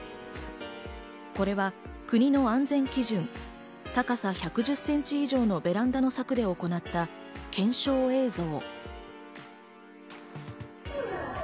これは国の安全基準、高さ１１０センチ以上のベランダの柵で行った検証映像。